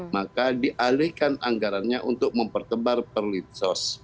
maka dialihkan anggarannya untuk mempertebal perlintos